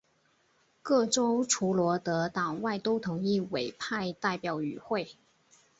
各州除罗德岛外都同意委派代表与会。